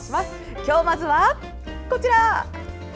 今日、まずはこちら！